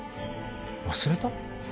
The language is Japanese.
忘れた？